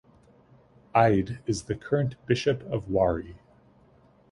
Ide is the current Bishop of Warri.